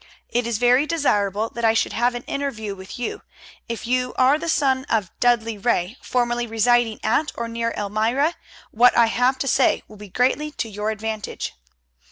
It is very desirable that I should have an interview with you. If you are the son of Dudley Ray, formerly residing at or near Elmira, what I have to say will be greatly to your advantage.